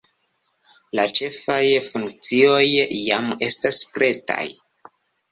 La ĉefaj funkcioj jam estas pretaj.